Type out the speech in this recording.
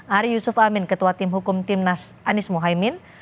ari yusuf amin ketua tim hukum timnas anies mohaimin